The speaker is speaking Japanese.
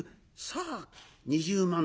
さあ２０万